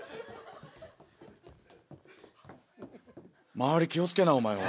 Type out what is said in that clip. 周り気を付けなお前は。